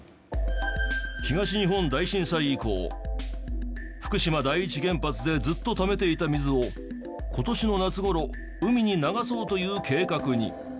東日本大震災以降福島第一原発でずっとためていた水を今年の夏ごろ海に流そうという計画に。